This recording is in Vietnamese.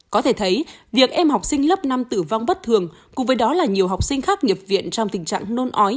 có thể thấy việc em học sinh lớp năm tử vong bất thường cùng với đó là nhiều học sinh khác nhập viện trong tình trạng nôn ói